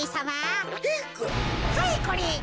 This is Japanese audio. はいこれ。